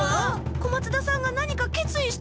小松田さんが何か決意しちゃった。